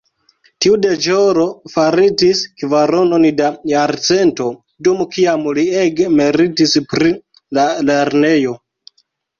Tiu deĵoro faritis kvaronon da jarcento, dum kiam li ege meritis pri la lernejo.